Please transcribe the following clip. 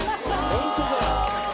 本当だよ。